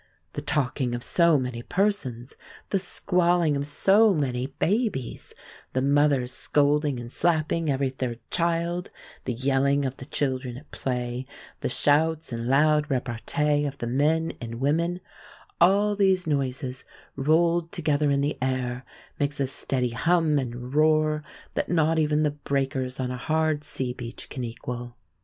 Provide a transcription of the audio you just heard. The talking of so many persons, the squalling of so many babies, the mothers scolding and slapping every third child, the yelling of the children at play, the shouts and loud repartee of the men and women all these noises rolled together in the air makes a steady hum and roar that not even the breakers on a hard sea beach can equal.